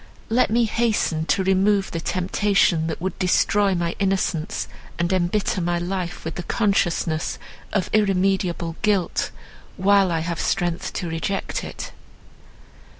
Let me hasten to remove the temptation, that would destroy my innocence, and embitter my life with the consciousness of irremediable guilt, while I have strength to reject it."